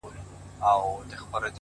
بيا هغې پر سپين ورغوي داسې دې ليکلي;